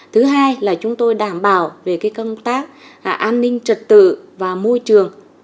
thứ hai là chúng tôi đảm bảo về công tác an ninh trật tự và môi trường